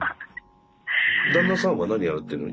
旦那さんは何やられてるの？